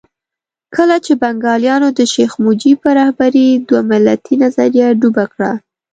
کله چې بنګالیانو د شیخ مجیب په رهبرۍ دوه ملتي نظریه ډوبه کړه.